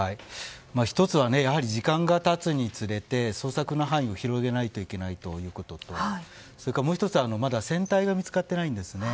１つは時間が経つにつれて捜索の範囲を広げないといけないということともう１つは、まだ船体が見つかっていないんですね。